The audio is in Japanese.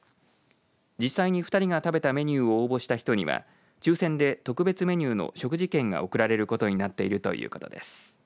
実際に２人が食べたメニューを応募した人には抽せんで特別メニューの食事券が贈られることになっているということです。